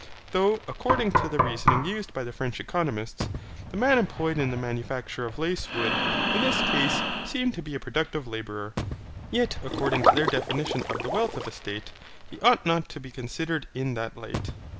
Though, according to the reasoning used by the French economists, the man employed in the manufacture of lace would, in this case, seem to be a productive labourer. Yet according to their definition of the wealth of a state, he ought not to be considered in that light.